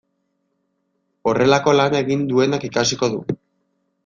Horrelako lana egin duenak ikasiko du.